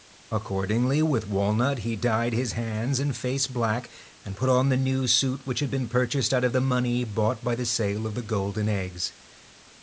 Accordingly with walnut he dyed his hands and face black, and put on the new suit which had been purchased out of the money brought by the sale of the golden eggs.